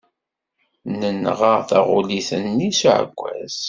Nenɣa taɣulit-nni s uɛekkaz.